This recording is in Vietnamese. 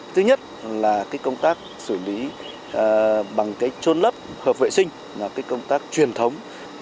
thứ nhất là công tác xử lý bằng trôn lấp hợp vệ sinh công tác truyền thống